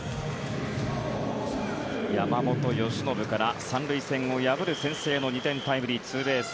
山本由伸から、３塁線を破る先制の２点タイムリーツーベース。